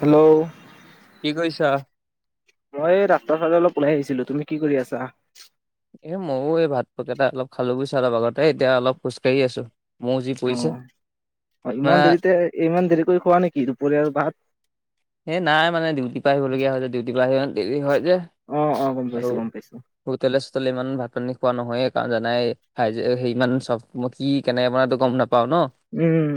Hello কি কৰিছা মই এই ৰাস্তাৰ ফালে অলপ ওলাই আহিছিলো তুমি কি কৰি আছা এ ময়ো এই ভাত পক এটা অলপ খালো বুইছা অলপ আগতে এতিয়া অলপ খোজকাঢ়ি আছো ম'হ যি পৰিছে অ ইমান মানে দেৰিতে ইমান দেৰি কৰি খোৱা নেকি দুপৰীয়া আৰু ভাত এ নাই মানে ডিউটি পা আহিবলগীয়া হয় যে ডিউটিৰ পা আহিব দেৰি হয় যে অ অ গম আৰু পাইছো গম পাইছো হোটেলে চোটলে ইমান ভাত পানী খোৱা নহয় কাৰণ জানাই খাই যে সিমান চক মো কি কেনেকে বনাই এইটো গম নাপাও ন উম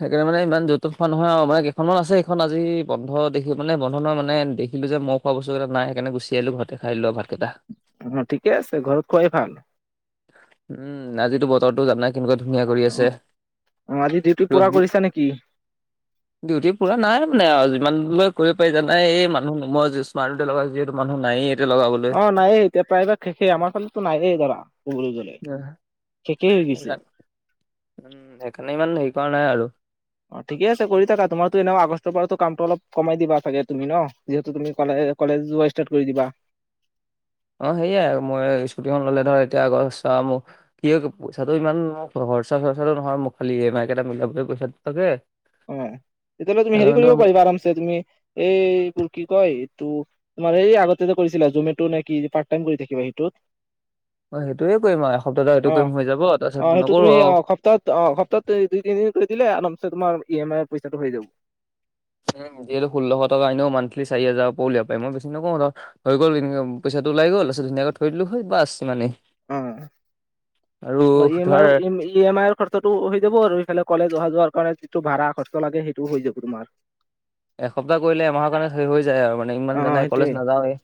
সেইকাৰণে ইমান যত যত খোৱা নহয় আৰু মানে কেইখনমান আছে সেইখন আজি বন্ধ দেখি মানে বন্ধ নহয় মানে খন আজি বন্ধ দেখি মানে বন্ধ নহয় মানে দেখিলোঁ যে মই খোৱা বস্তুকেইটা নাই সেই কাৰণে গুচি আহিলো ঘতে খাই দিলোঁ আৰু ভাতকেইটা অ ঠিকে আছে ঘৰত খুৱাই ভাল উম আজিতো বতৰটো যানাই কেনেকুৱা ধুনীয়া কৰি আছে অ অ আজি ডিউটি ৰ'দ পুৰা কৰিছা নেকি ডিউটি পুৰা নাই মানে আৰু যিমান লৈ কৰিব পাৰি জানাই এই মানুহ মই যে স্মাৰ্ট মিটাৰ লগা আছোঁ যিহেতু মানুহ নায়েই এতিয়া লগাবলৈ অ নায়েই এতিয়া প্ৰায়ভাগ শেষে আমাৰ ফালে টো নায়েই ধৰা ক'বলৈ গ'লে শেষেই হৈ গৈছে সেইকাৰণে উম সেইকাৰণে ইমান হেৰি কৰা নাই আৰু অ ঠিকে আছে কৰি থাকা তোমাৰতো এনেও আগষ্টৰ পৰাতো কামটো অলপ কমাই দিবা চাগে তুমি ন যিহেতু তুমি কলে কলেজ যোৱা ষ্টাৰ্ট কৰি দিবা অ সেয়াই মই স্কুটিখন ল'লে ধৰ এতিয়া আগৰ চাওঁ মোক কি পইচাটো ইমান খৰচা চৰ্চাটো নহয় মোক খালি ই এম আই কেইটা মিলাবলৈ পইচাটো লাগে অ তেতিয়াহ'লে তুমি হেৰি সেইকাৰণে ধৰ কৰিব পাৰিবা আৰমছে তুমি এইবোৰ কি কয় এইটো তোমাৰ এই আগতে যে কৰিছিলা জমেটো নেকি পাৰ্ট টাইম কৰি থাকিবা সেইটোত অ সেইটোয়ে কৰিম আৰু এসপ্তাহটো সেইটো কৰিম হৈ যাব তাৰপিছত নকৰো আৰু ত অ সপ্তাহ অ সপ্তাহত দুই তিনিদিন কৰি দিলে আৰমচে তোমাৰ ই এম আইৰ পইচাটো হৈ যাব উম যিহেত ষোলশ টকা এনেও মানথলি চাৰি হাজাৰ উলিয়াব পাৰিম মই বেছি নকওঁ ধৰ হৈ গ'ল ইনকাম পইচাটো ওলাই গ'ল আছে ধুনীয়াকে থৈ দিলোঁ হয় বাছ সিমানেই ওম ই এম ধৰ আইৰ ই এম‌ আই খৰছা কষ্টটো হৈ যাব আৰু এইফালে কলেজ অহা যোৱাৰ কাৰণে যিটো ভাড়া খৰছা লাগে সেইটো হৈ যাব তোমাৰ এসপ্তাহ কৰিলে এমাহৰ কাৰণে হেৰি হৈ যায় আৰু মানে অ ইমান জানাই সেইটোয়ে কলেজ নাযাওঁৱেই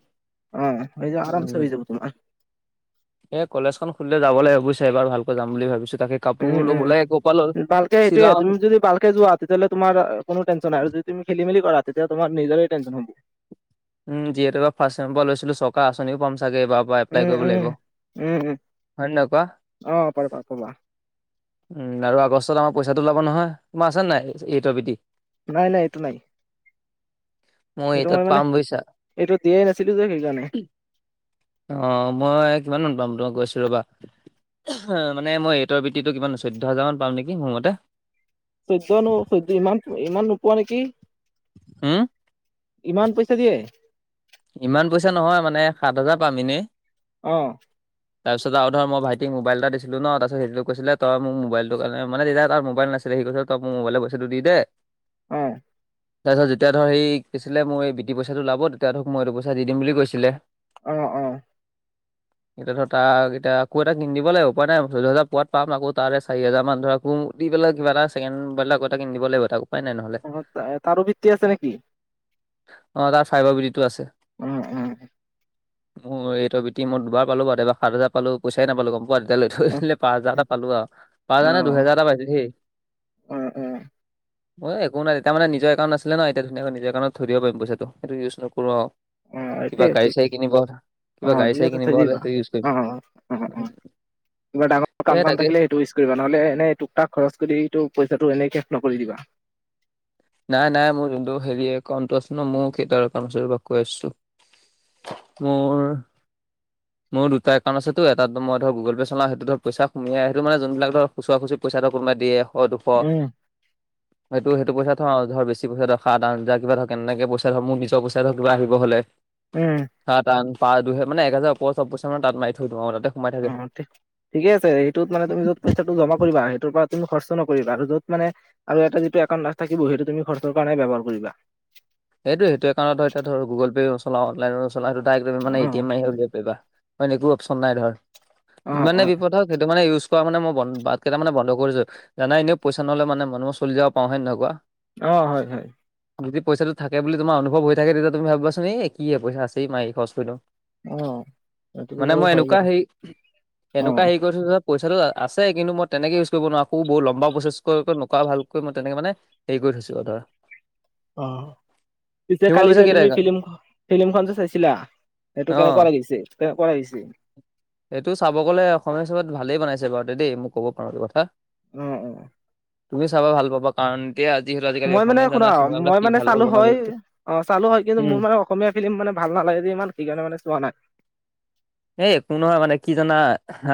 অ হৈ যাব আৰামছে হৈ উ যাব তোমাৰ এই কলেজখন খুলিলে যাব লাগে বুজিছা এবাৰ ভালকৈ যাম বুলি ভাবিছোঁ তাকে কাপোৰ উম উম ল'বলৈ ক'ৰ পৰা ল'ল ভালকে সেইটোয়ে শ্বিলং তুমি যদি ভালকে যোৱা তেতিয়া হলে তোমাৰ কোনো টেনচন নাই, আৰু যদি তুমি খেলি-মেলি তেতিয়া তোমাৰ নিজৰে টেনশ্যন হ'ব। উম যিহেতু এবাৰ ফাৰ্ষ্ট চেমৰ পৰা লৈছিলো চৰকাৰ আঁচনিও পাম চাগে এবাৰ উম উম উম উম হয় নে নহয় কোৱা? অ পাবা পাবা উম আৰু আগষ্টত আমাৰ পইচাটো ওলাব নহয় তোমাৰ আছে নাই এইটৰ বিটি নাই নাই এইটো নাই সেইটো এইটত মই মানে পাম বুজিছা। এইটো দিয়াই নাছিলো যে সেইকাৰণে অ মই কিমান মান পাম ৰ গৈছো ৰবা। অ মানে মই এইটৰ বৃত্তিটো কিমান চৈধ্য হাজাৰ মান পাম নেকি মোৰ মতে? চৈধ্য নো চৈধ্য ইমান ইমান নোপোৱা নেকি? হুম? ইমান পইচা দিয়ে? ইমান পইচা নহয় মানে সাত হাজাৰ পাম এনেই। অ। তাৰপিছত আৰু ধৰ মই ভাইটিক মোবাইল এটা দিছিলো ন, তাৰপিছত সেইটোক কৈছিলে তই মোক মোবাইলটো কাৰনে মানে তেতিয়া তাৰ মোবাইল নাছিল। তেতিয়া সি কৈছিল তই মোক মোবাইলৰ পইচাটো দি দে। অ। তাৰপিছত যেতিয়া ধৰ সেই কৈছিলে মোৰ এই বিটি পইচাটো ওলাব, তেতিয়া ধৰক মই এইটো পইচা দি দিম বুলি কৈছিলে। অঁ অঁ। এতিয়া ধৰা তাক এতিয়া আকৌ এটা কিন দিব লাগিব উপাই নাই চৈধ্য হাজাৰ পোৱাত পাম আকৌ তাৰে চাৰি হাজাৰ মান ধৰ আকৌ দি পেলাই কিবা এটা ছেকেণ্ড হেণ্ড মোবাইল এটা কিনি দিব লাগিব তাকো অ তাৰো বৃত্তি আছে নেকি? অ তাৰ ফাইবৰ বৃত্তিটো আছে। অ, অ, অ মোৰ এইটৰ বৃত্তি মই দুবাৰ পালো পোৱাত, এবাৰ সাত হাজাৰ পালো পইচাই নাপালো গম পোৱা নে এতিয়া লৈ থৈ অ', দিলে পাঁচ হোজাৰ এটা পালো আও, পাঁচ হাজাৰ নে অ', দুহেজাৰ এটা পাইছো সেই। অ', মোল একো নাই তেতিয়া মানে নিজৰ একাউণ্ট নাছিলে ন এতিয়া ধুনীয়াকৈ নিজৰ একাউণ্টত থৈ দিব পাৰিম পইচাটো এইটো ইউজ নকৰো অ অ', কিবা এইটোয়ে ঠিক গাড়ী-চাড়ী কিনিব। কিবা অ', ঠিক গাড়ী-চাড়ী আছে কিনিব থৈ হ'লে দিবা সেইটো ইউজ কৰিম। অ', অ', অ', অ', কিবা ডাঙৰ কাম এই চাম তাকে থাকিলে সেইটো ইউজ কৰিবা নহলে এনে তোক তাক খৰচ কৰি সেইটো পইচাটো এনে শেষ নকৰি দিবা। নাই নাই মোৰ যোনটো হেৰি একাউণ্টটো আছে ন মই সেইটো একাউণ্টৰ পৰা কৈ আছো। মোৰ মোৰ দুটা একাউণ্ট আছে টো এটাতো মই ধৰ গুগল পে চলাও সেইটো ধৰ পইছা সুমিৱাই সেইটো মানে যোনবিলাক ধৰ খুচুৰা-খুচৰি পইচাটো কোনোবাই দিয়ে এশ দুশ [inaudible] সেইটো সেইটো পইচা থওঁ আৰু ধৰ বেছি পইচা ৰখা সাত আঠ হাজাৰ এনেকে পইচা ধৰ মোৰ নিজৰ পইচা ধৰ কিবা আহিব হলে উম। সাত আঠ পাঁচ দুই মানে একহাজাৰৰ ওপৰৰ চব পইছা মানে তাতে মাৰি থৈ দিওঁ আও, তাতে সোমাই থাকে। অ ঠিকে আছে সেইটোত মানে তুমি য'ত পইচাটো জমা কৰিবা সেইটোৰ পৰা তুমি খৰচ নকৰিবা আৰু য'ত মানে আৰু এটা যিটো একাউণ্ট থাকিব সেইটো তুমি খৰচৰ কাৰণে ব্যবহাৰ কৰিবা। সেইটো সেইটো একাউণ্টত ধৰ গুগল পে চলাওঁ অনলাইনটো চলাওঁ সেইটো ডাইৰেক্ট তুমি অ মানে এ টি এম মাৰি উলিয়াব পাৰিবা। অইন একো অপচন নাই ধৰ, অ অ যিমানে বিপদ হওক সেইটো মানে ইউজ কৰা মানে মই বাট কেইটা মানে বন্ধ কৰিছো। জানা এনেও পইছা নহলে মানে মানুহ চলি যাব পাওঁ। হয় নে নহয় কোৱা? অ হয় হয়। যদি পইচাটো থাকে বুলি তোমাৰ অনুভৱ হৈ থাকে তেতিয়া তুমি ভাবিবাচোন এই কি পইচা আছেই মাৰি খৰচ কৰি দিও। অ সেইটোতো মানে বাৰু মই হয় এনেকুৱা বাৰু হেৰি, অ এনেকুৱা হেৰি কৰিছো থৈছোঁ ধৰ পইচাটো আছে কিন্তু মই তেনেকে ইউজ কৰিব নোৱাৰো, আকৌ বহুত লম্বা প্ৰচেছ কৈ কৈ নকৰা ভাল মই তেনেকে মানে সেই কৰি থৈছোঁ আৰু ধৰা। অ'। পিছে তোমাৰ কালি যে কেইটা তুমি একাউণ্ট? ফিল্ম ফিল্মখন যে চাইছিলা সেইটো কেনেকুৱা অ' লাগিছে? কেনেকুৱা লাগিছে? এইটো চাব গ'লে অসমীয়া হিচাপত ভালেই বনাইছে বাৰু দেই, মোক ক'ব পাৰো এইটো কথা। অ অ তুমি চাবা ভাল পাবা কাৰণ [unintelligible] মই মানে জানা শুনা চিনেমাবিলাক মই কি মানে ভাল ভাল চালো বনাব হয়। লৈছে। অ', চালো হয়। কিন্তু উম, মোৰ মানে অসমীয়া ফিল্ম মানে ভাল নালাগে যে ইমান। সেইকাৰণে মানে চোৱা নাই। হেই একো নহয় মানে কি জানা?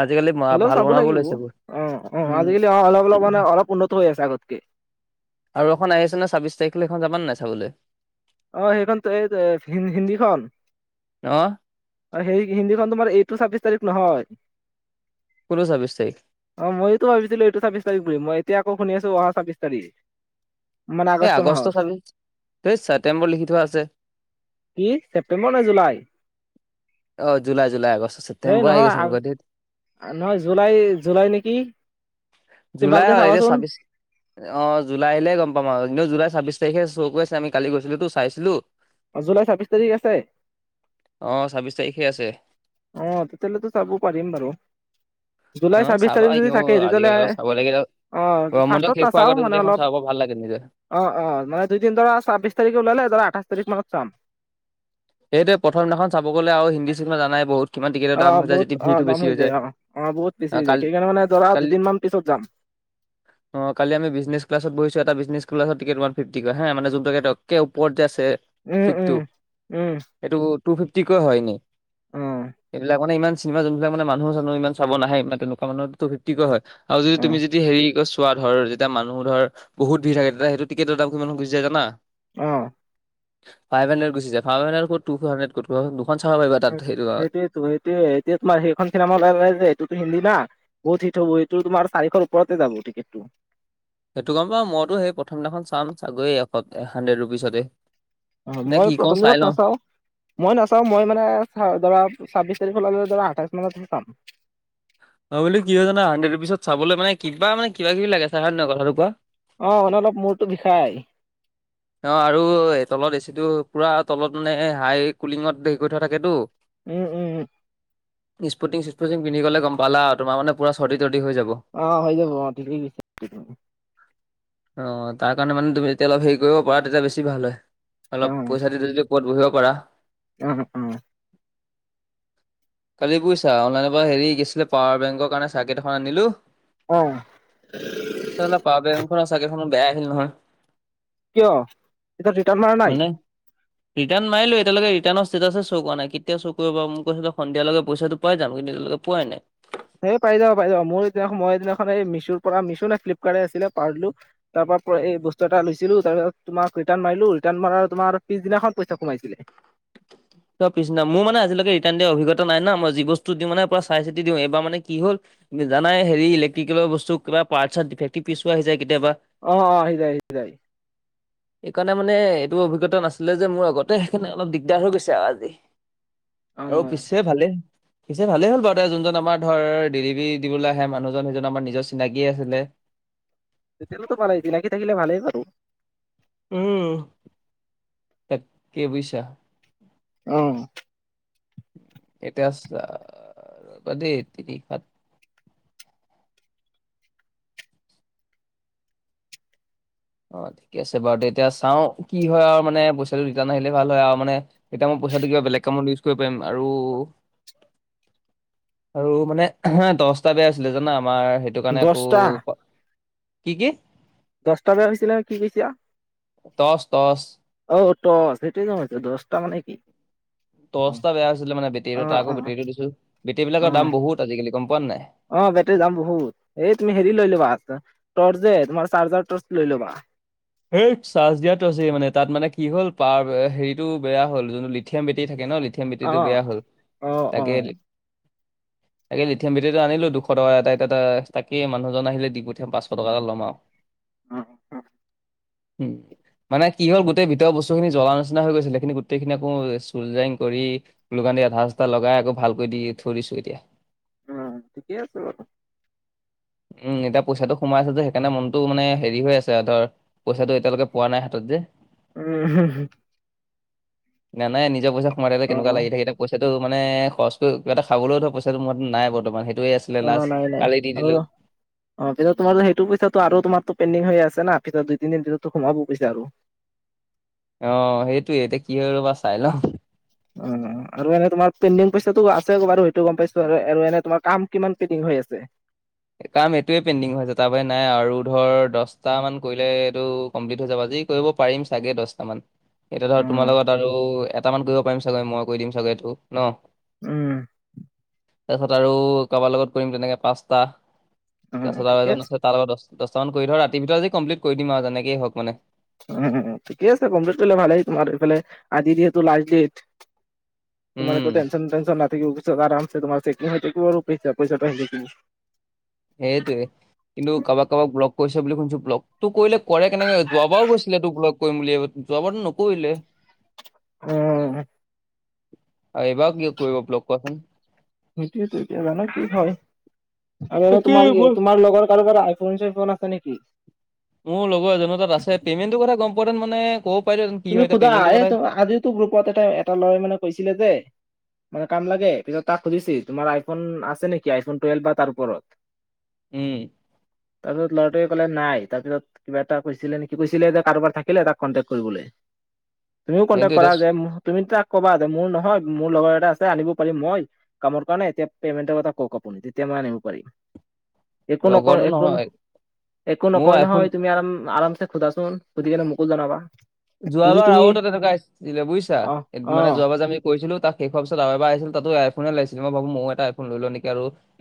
আজিকালি হ'লেও ভাল চাব বনাব লাগিব লৈছে বহুত, উম। চ'ব উন্নত হৈ আছে আগতকে। আৰু এখন আহি আছে নহয়, চাব্বিশ তাৰিখলৈ এইখন যাবা নে নাই চাবলৈ? অ', সেইখন এই হিন্দীখন? অ অ', হেই হিন্দীখন তোমাৰ এইটো চাব্বিশ তাৰিখ নহয়। কোনটো চাব্বিশ তাৰিখ? অ', মইও তো ভাবিছিলো এইটো চাব্বিশ তাৰিখ বুলি। মই এতিয়া আকৌ শুনি আছো অহা চাব্বিশ তাৰিখ। মানে এই আগষ্ট মাহৰ চাব্বিশ, ধেই ছেপটেম্বৰ লিখি থোৱা আছে। কি ছেপ্টেম্বৰ নে জুলাই? অ', জুলাই জুলাই আগষ্ট এই ছেপ্টেম্বৰ আহি নহয় গৈছে আগ- মুখত ধেত। নহয় জুলাই জুলাই নেকি? তুমি জুলাই ভালকে হয়, এতিয়া চাবাচোন চাব্বিশ [inaudible] অ', জুলাই আহিলে গ'ম পাম আৰু এনেও জুলাই চাব্বিশ তাৰিখে চৌ কৈ আছে, আমি কালি গৈছিলো তো চাইছিলো। অ', জুলাই চাব্বিশ তাৰিখ আছে? অ', চাব্বিছ তাৰিখে আছে। অ', তেতিয়াহ'লেটো চাব পাৰিম বাৰু। অ জুুলাই চাব্বিশ চাবা তাৰিখ যদি এনেও থাকে তেতিয়া হ'লে আজিকালি আৰু চাব লাগে অ', গৰম বন্ধ ফাৰ্ষ্টত শেষ হোৱাৰ নাচাও আগতে যদি মানে এখন অলপ চাব ভাল লাগে নিজে। অ', অ', মানে দুদিন ধৰা চাব্বিশ তাৰিখ ওলালে ধৰা আঠাইছ তাৰিখ মানত চাম। সেইটোৱে প্ৰথম দিনাখন চাব গ'লে আৰু হিন্দী চিনেমা জানাই বহুত। কিমান টিকেটৰ অ', দাম হৈ যায় বহুত যেতিয়া ভিৰটো অ', দাম বেছি হৈ যায় অ', অ', বহুত বেছি অ' হৈ যায়। কালি সেইকাৰণে মানে ধৰা কালি দুদিনমান পিছত যাম। [inaudible] অ', কালি আমি বিজনেছ ক্লাচত বহিছোঁ। এটা বিজনেছ ক্লাচত টিকেত ৱান ফিফটি কৈ হে, মানে যোনটো একে একে ওপৰত যে আছে। উম, উম, উম। এইটো টু ফিফটিকৈ হয় এনে। উম, অ', এইবিলাক মানে ইমান চিনেমা যোনবিলাক মানে মানুহ-চানুহ ইমান চাব নাহে, মানে তেনেকুৱা মানুহ টু ফিফটিকৈ হয়। আৰু যদি অ', তুমি যদি হেৰি কৈ চোৱা ধৰ, যেতিয়া মানুহ ধৰ বহুত ভিৰ থাকে তেতিয়া সেইটো টিকেতৰ দাম কিমান গুছি যায় জানা? অ'। ফাইভ হান্ডেড গুছি যায়। ফাইভ হান্ডেড কত টু হান্ডেড ক'ত কোৱাচোন। দুখন চাব পাৰিবা তাত সেইটো [unintelligible] [unintelligible] সেইটোৱে। এতিয়া তোমাৰ সেইখন চিনেমা ওলালে যে এইটোতো হিন্দী না। বহুত হিত হব সেইটো তোমাৰ চাৰিশৰ ওপৰতে যাব টিকেট টো। সেইটো গম পাওঁ মইতো সেই প্ৰথম দিনাখন চাম চাগৈয়ে এ হান্ডেড ৰুপিচতে। অঁ নে কি মই কওঁ প্ৰথম চাই দিনত লওঁ নাচাওঁ। মই নাচাওঁ মই মানে ধৰা চাব্বিশ তাৰিখ ধৰা আঠাইশ মানতহে চাম। অঁ বুলো কি হয় জানা হান্ডেড ৰুপিছ চাবলৈ মানে কিবা মানে কিবি কিবি লাগে চাই হয় নহয় কথাটো কোৱা? অঁ অলপ অলপ মূৰটো বিষায়। অঁ আৰু তলত এচি টো পুৰা তলত মানে হাই কুলিঙত হেৰি কৰি থোৱা থাকেতো। উম উম উম। স্পুটিং চিস্পুটিং পিধি গ'লে গম পালা আৰু তোমাৰ মানে পুৰা চৰ্দি তৰ্দি হৈ যাব। অঁ হৈ যাব অঁ পিন্ধিবি। অঁ তাৰ কাৰণে মানে তুমি যেতিয়া অলপ হেৰি কৰিব পাৰা তেতিয়া বেছি ভাল হয়। অলপ পইচা দি যদি ক'ত বহিব পাৰা। উম উম। কালি বুইছা অনলাইনৰ পৰা হেৰি কি আছিলে পাৱাৰ বেংকৰ কাৰণে চাৰ্কেট এখন আনিলো। অঁ। চালা পাবেখন চাইকেলখনো বেয়া আহিল নহয়। কিয় এতিয়া ৰিটাৰ্ণ মাৰা নাই। মানে ৰিটাৰ্ণ মাৰিলো এতিয়ালৈকে ৰিটাৰ্ণ ষ্টেটাছে কৰা নাই কেতিয়া চ কৰিব মোক ক সেই সন্ধিয়ালৈকে পইচাটো পাই যাম কিন্তু এতিয়ালৈকে পোৱাই নাই। সে পাই যাব পাই যাব মোৰ এতিয়া সময়ত সেইদিনাখন মই এই মিছুৰ পৰা মিছো নে ফ্লিপকাৰ্টে আছিলে পাহৰিলো তাৰ পৰা এই বস্তু এটা লৈছিলো তাৰপিছত তোমাৰ ৰিটাৰ্ণ মাৰিলো ৰিটাৰ্ণ মাৰাৰ তোমাৰ পিছদিনাখন পইচা সোমাইছিলে। ত পিছদিনা মোৰ মানে আজিলৈকে ৰিটাৰ্ণ দিয়া অভিজ্ঞতা নাই মই যি বস্তু দিওঁ মানে পোৰা চাই চিতি দিওঁ এইবাৰ মানে কি হ'ল তুমি জানাই হেৰি ইলেক্টিকেলৰ বস্তু কিবা পাৰ্ট চাৰ্ট ডিটেক্টিভ পিছো আহি যায় কেতিয়াবা অ অ আহি যায় আহি যায়। এইকাৰণে মানে এইটো অভিজ্ঞত নাছিলে যে মোৰ আগতে সেইকাৰণে অলপ দিগদাৰ হৈ গৈ ছে আজি অ আৰু পিছে ভালেই পিছে ভালেই হ'ল বাৰু দে যোনজন আমাৰ ধৰ ডেলিভাৰী দিবলৈ আহে মানুহজন সেইজন আমাৰ নিজৰ চিনাকিয়ে আছিলে। তেতিয়া হলেতো ভালেই চিনাকি থাকিলে ভালেই বাৰু। উম তাকে বুইছা। অহ। এতিয়া চাবা দেই তিনি সাত অ ঠিকে আছে বাৰু তে এতিয়া চাও কি হয় আৰু মানে পইচাটো ৰিটাৰ্ণ আহিলে ভাল হয় আৰু মানে এতিয়া মই পইচাটো কিবা বেলেগ কামত ইউজ কৰিব পাৰিম আৰু আৰু মানে হ দছটা বেয়া আছিলে জানা আমাৰ সেইটো কাৰণে দহটা আকৌ কি কি? দহটা বেয়া হৈছিলে, কি কৈছা? টচ টচ অ টচ সেইটোৱে মই সুধিছো দহটা মানে কি? অ টৰ্চ এটা বেয়া হৈছিলে মানে অ বেটেৰীতো তা আক অ বেটেৰীতো দিছো। বেটেৰী অ বিলাকৰ দাম বহুত আজিকালি গম পোৱা নাই? অ বেটেৰী দাম বহুত, এই তুমি হেৰি লৈ ল'বা টৰ্চ তোমাৰ চাৰ্জাৰ টৰ্চ লৈ ল'বা। এই চাৰ্জ দিয়া টৰ্চে মানে তাত মানে কি হ'ল পাৱাৰ হেৰিটো বেয়া হ'ল যোনটো লিথিয়াম বেটেৰী থাকে ন লি থিয়াম অ বেটেৰীতো বেয়া হ'ল অ অ তাকে [unintelligible] তাকে লিথিয়াম বেটেৰীতো আনিলো দুশ টকা এটাই তাত তাকে মানুহজন আহিলে দি পঠিয়াম পাঁচশ টকা এটা ল'ম আও। [inaudible] উম। মানে কি হ'ল গোটেই ভিতৰৰ বস্তুখিনি জ্বলা নিচনা হৈ গৈছিলে, সেইখিনি গোটেইখিনি আকৌ চুলজাইং কৰি গ্লকান দি আধা ছাঠা লগাই আকৌ ভালকৈ দি থৈ দিছো এতিয়া। অঁ, ঠিকেই আছে বাৰু। উম, এতিয়া পইচাটো সোমাইছে যে সেইকাৰণে মনটো মানে হেৰি হৈ আছে আৰু ধৰ। পইচাটো এতিয়ালৈকে পোৱা নাই হাতত যে। উম হুম হু। নাই নাই নিজৰ পইচা সোমাই থাকিলে কেনেকোৱা অ', লাগি থাকে, এতিয়া পইচা টো মানে খৰচকৈ কিবা এটা খাবলৈও ধৰ পইচাটো মোৰ হাতত নাই বৰ্তমান সেইটোয়ে আছিলে লাষ্ট কালি দি দিলো। অঁ, তেতিয়া তোমাৰো সেইটো পইচাটো আৰু তোমাৰতো পেণ্ডিং হৈ আছে না পিছত দুই তিনি দিনত তো সোমাব পইছা আৰু। অঁ সেইটোৱে এতিয়া কি হয় ৰবা চাই লওঁ। অঁ অঁ, আৰু এনে তোমাৰ পেণ্ডিং পইচাটো আছে বাৰু সেইটো গম পাইছো আৰু এনে তোমাৰ কাম কিমান পেণ্ডিং হৈ আছে? কাম এইটোৱে পেণ্ডিং হৈ আছে তাৰপৰা নাই আৰু ধৰ দশটা মান কৰিলে এইটো কমপ্লিট হৈ যাব আজি কৰিব পাৰিম চাগে, দশটামান। এতিয়া ধৰ তোমাৰ অ', লগত আৰু এটা মান কৰিব পাৰিম চাগে মই কৈ দিম চাগে এইটো ন। উম। তাৰ পিছত আৰু কাৰোবাৰ লগত কৰিম তেনেকে পাঁচটা। অ', তাৰপিছত আৰু ঠিকে এজন আছে তাৰ লগত দশটামান কৰি ধৰ ৰাতি ভিতৰত আজি কমপ্লিট কৰি দিম আৰু যেনেকেই হওঁক মানে। উম ঠিকে আছে কমপ্লিট কৰিলে ভালই তোমাৰ এইফালে আজি যিহেতু লাষ্ট ডেট। তোমাৰ উম একো একো টেঞ্চন নথাকিব, আৰমছে তোমাৰ চেকিং হৈ থাকিব আৰু পইচা পইচাটো আহি থাকিব। সেইটোৱে, কিন্তু কাৰোবাক কাৰোবাক ব্লক কৰিছে বুলি শুনিছো ব্লক। তোক কৰিলে কৰে কেনেকে যোৱাবাৰো গৈছিলে তোক লগ কৰিম বুলি যোৱাবাৰটো নকৰিলে। উম। এইবাৰ কিয় কৰিব ব্লক কোৱা চোন? সেইটযৱেতো এতিয়া জানো কি হয়? আৰু তাকে তোমাৰ মই তোমাৰ লগৰ কাৰোবাৰ আইফোন চাইফোন আছে নেকি? মোৰ লগৰ এজনো তাত আছে, পেমেণ্ট কথা গম পোৱা হেঁতেন মানে ক তুমি সোধা, এ আজিয়ো তো গ্ৰুপত এটা এটা লৰাই মানে কৈছিলে যে মানে কাম লাগে, পিছত তাক খুধিছে তোমাৰ আইফোন আছে নেকি আইফোন টুৱেলভ বা তাৰ ওপৰত? [inaudible] উম। তাৰপিছত লৰাটোৱে কলে নাই, তাৰপিছত কিবা এটা কৰিছিলে নেকি, কৈছিলে যে কাৰোবাৰ থাকিলে তাক কণ্টেক্ট কৰিবলে। তুমিও কণ্টেক্ট এইটো কৰা এতিয়া যে তুমি তাক কবা যে মোৰ নহয় মোৰ লগৰ এটা আছে আনিব পাৰিম, মই কামৰ কাৰণে এতিয়া পেমেণ্টৰ কথা কক আপুনি, তেতিয়া মই আনিব পাৰিম। একো লগৰটো নকয় একো নহয় একো মোৰ নকয় আইফোন নহয় তুমি আৰাম আৰামছে সোধাচোন। শুধি কেনে মোকো জনাবা। যদি যোৱাবাৰ তুমি আৰু এটা তেনেকুৱা দিলে বুজিছা, অ অ মানে যোৱাবাৰ যে আমি কৰিছিলো তাক শেষ হোৱা পাছত আৰু এবাৰ আহিছিল তাতো আইফোননে লাগিছিল মই ভাবো মইও এটা আইফোন লৈ লওঁ নেকি?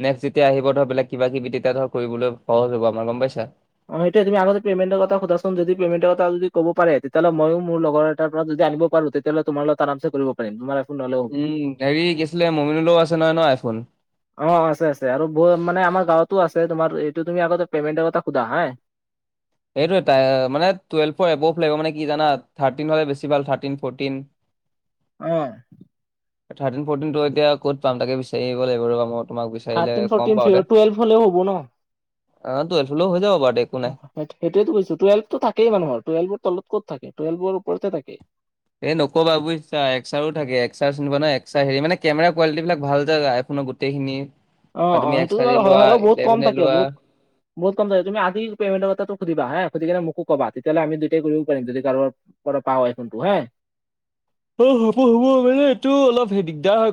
নেক্স যেতিয়া আহিব ধৰ বেলেগ কিবা কিবি তেতিয়া ধৰ কৰিবলৈ সহজ হব আমাৰ গম পাইছা। অ সেইটোৱে তুমি আগতে পেমেণ্টৰ কথা সোধাচোন যদি প'মেণ্ট ক যদি ক'ব পাৰে তেতিয়াহ'লে মইও মোৰ লগৰটাৰ পৰা যদি আনিব পাৰো। তেতিয়া তোমাৰ লগত আৰামছে কৰিব পাৰিম। নহ'লেও হ'ব। উম হেৰি কি আছিলে মমিনলেও আছে নহয় ন আইফোন? অঁ-অঁ! আছে-আছে আৰু বহুত মানে আমাৰ গাঁৱতো আছে তোমাৰ এইটো তুমি আগতে পেমেণ্টৰ কথা সোধা হয়। এইটো এটা এ মানে টুৱেলভৰ এবভ লাগিব মানে কি জানা থাৰ্টিন হ'লে বেছি ভাল থাৰ্তিন, ফৰটিন। অঁ! থাৰ্টিন, ফৰ্টিনতো এতিয়া ক'ত পাম তাকে বিচাৰি আহিব লাগিব ৰবা মই তোমাক বিচাৰিলে থাৰ্টিন কম ফৰ্টিন বাৰু দে। টুৱেলভ হ'লেও হ'ব ন। আহ টুৱেলভ হ'লেও হৈ যাব বাৰু দে। নাই। সেইটোৱেইটো কৈছোঁ টুৱেলভটো থাকেই মানুহৰ টুৱেলভৰ তলত ক'ত থাকে টুলেভৰ ওপৰতে থাকে। এই নকবা বুজিছা এক্সাৰো থাকে, এক্সাৰ চিনি পোৱা নহয় এক্সাৰ হেৰি মানে কেমেৰা কোৱালিট বিলাক ভাল যে আইফোনৰ গোট গোটেইখিনি। আৰু অঁ-অঁ! তুমি সেইটোতো এক্সাৰে বাৰু হয়, লোৱা হ'লেও বহুত কম ইলেভেনে থাকে লোৱা। বহুত বহুত কম থাকে তুমি আজি পেমেণ্টৰ কথাটো সুধিবা হে সুধি কেনে মোকো কবা তেতিয়া হ'লে আমি দুইটাই কৰিব পাৰিম যদি কাৰোবাৰ কৰ পাৱ হয় আইফোনটো হা। অ হ'ব-হ'ব মানে এইটো অলপ সেই দিগদাৰ হয়।